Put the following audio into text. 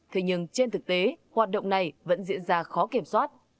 thế nhưng trên thực tế hoạt động này vẫn diễn ra khó kiểm soát